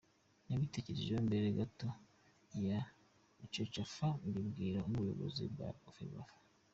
Nabitekerejeho mbere gato ya Cecafa mbibwira n’ubuyobozi bwa Ferwafa.